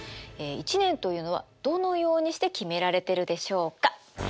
１年というのはどのようにして決められてるでしょうか？